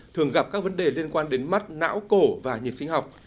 thường gặp các vấn đề liên quan đến mắt não cổ và nhiệt sinh học